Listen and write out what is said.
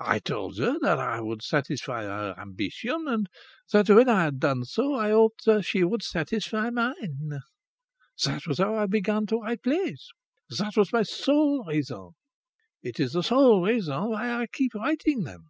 I told her that I would satisfy her ambition, and that when I had done so I hoped she would satisfy mine. That was how I began to write plays. That was my sole reason. It is the sole reason why I keep on writing them.